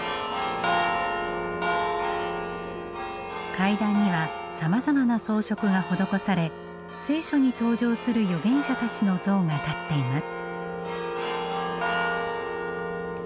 階段にはさまざまな装飾が施され「聖書」に登場する預言者たちの像が立っています。